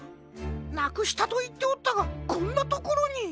なくしたといっておったがこんなところに。